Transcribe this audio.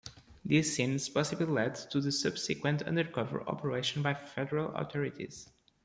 These scenes possibly led to the subsequent undercover operation by federal authorities.